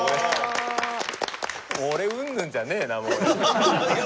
俺うんぬんじゃねえなもう。